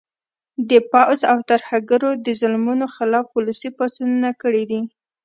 د پوځ او ترهګرو د ظلمونو خلاف ولسي پاڅونونه کړي دي